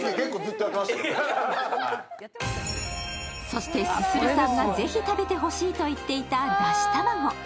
そして、ＳＵＳＵＲＵさんがぜひ食べてほしいと言っていた出汁卵。